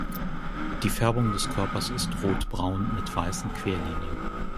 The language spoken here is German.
Die Färbung des Körpers ist Rotbraun mit weißen Querlinien.